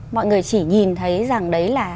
mọi người chỉ nhìn thấy rằng đấy là